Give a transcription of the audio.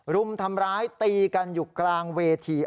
รุมทำร้ายตีกันอยู่กลางเวที